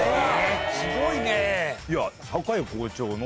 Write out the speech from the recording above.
すごいね！